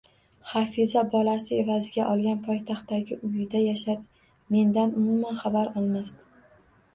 Hafiza bolasi evaziga olgan poytaxtdagi uyida yashar, mendan umuman xabar olmasdi